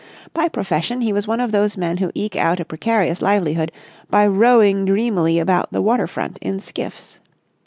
By profession he was one of those men who eke out a precarious livelihood by rowing dreamily about the water front in skiffs.